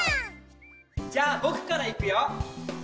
じゃあ僕からいくよ。